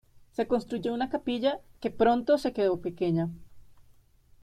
Se construyó una capilla, que pronto se quedó pequeña.